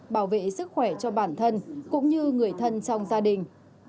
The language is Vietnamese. bảo vệ sức khỏe cho bản thân cũng như người thân trong gia đình